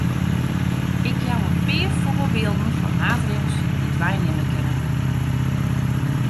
Ik jou in pear foarbylden fan maatregels dy't wy nimme kinne.